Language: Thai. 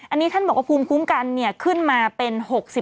อันนี้ท่านบอกว่าภูมิคุ้มกันขึ้นมาเป็น๖๐